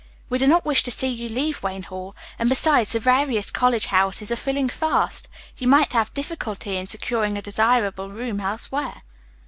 We do not wish to see you leave Wayne Hall, and besides, the various college houses are filling fast. You might have difficulty in securing a desirable room elsewhere."